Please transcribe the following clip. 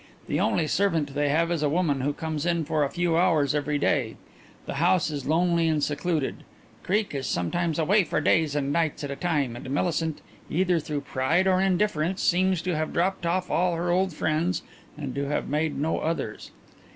The only servant they have is a woman who comes in for a few hours every day. The house is lonely and secluded. Creake is sometimes away for days and nights at a time, and Millicent, either through pride or indifference, seems to have dropped off all her old friends and to have made no others.